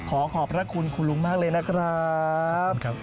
ขอขอบพระคุณคุณลุงมากเลยนะครับ